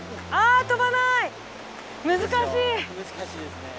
難しいですね。